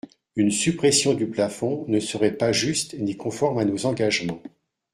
Une suppression du plafond ne serait pas juste ni conforme à nos engagements.